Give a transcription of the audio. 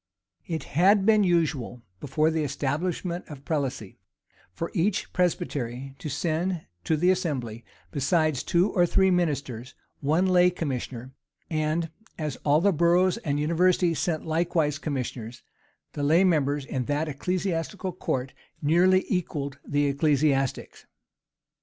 It had been usual, before the establishment of prelacy, for each presbytery to send to the assembly, besides two or three ministers, one lay commissioner;[*] and, as all the boroughs and universities sent likewise commissioners, the lay members in that ecclesiastical court nearly equalled the ecclesiastics.